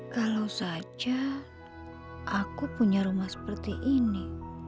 kalau saja aku punya rumah seperti ini